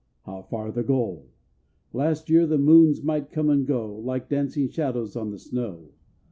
How far the goal! Last year the moons might come and go Like dancing shadows on the snow.